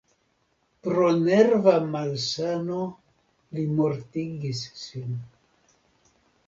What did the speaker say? Pro nerva malsano li mortigis sin.